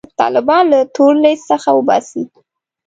طالبان له تور لیست څخه وباسي.